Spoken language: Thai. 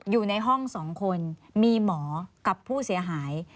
อยู่ในห้อง๒คนมีหมอกับผู้เสียหาย